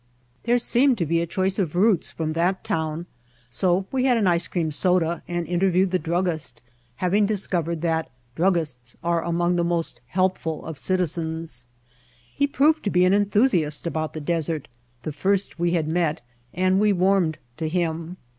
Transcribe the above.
There seemed to be a choice of routes from that town so we had an ice cream soda and inter viewed the druggist, having discovered that druggists are among the most helpful of citizens. He proved to be an enthusiast about the desert, the first we had met, and we warmed to him.